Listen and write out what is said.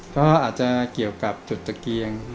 ก็อาจจะเกี่ยวกับจุดตะเกียง